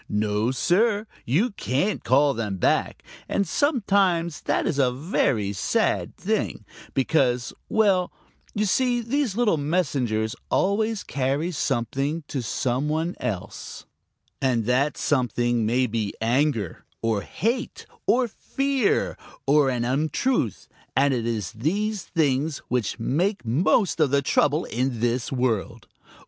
No, Sir, you can't call them back, and sometimes that is a very sad thing, because well, you see these little messengers always carry something to some one else, and that something may be anger or hate or fear or an untruth, and it is these things which make most of the trouble in this world.